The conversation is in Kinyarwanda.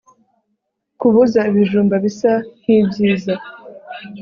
Kubuza ibijumba bisa nkibyiza